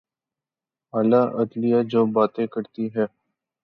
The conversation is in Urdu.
اعلی عدلیہ جو باتیں کرتی ہے۔